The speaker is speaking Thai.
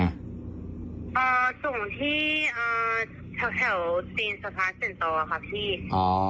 อ่ะส่งที่เอ่อ